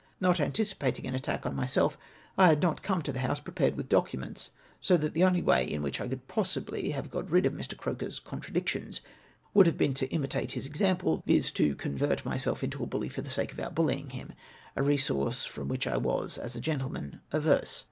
'' Not anticipating an attack on myself, I had not come to the House prepared with documents, so that the only way in which I could possibly have got rid of Mr. Croker's " contradictions " would have been to imitate his ex ample, viz. to convert myself into a bully for the sake of outbuUying him, a resource from which I was, as a gentleman, averse.